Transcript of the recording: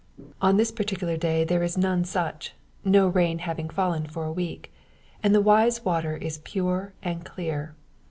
On this particular day there is none such no rain having fallen for a week and the Wye's water is pure and clear.